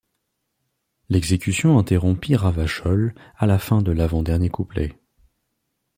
L'exécution interrompit Ravachol à la fin de l'avant-dernier couplet.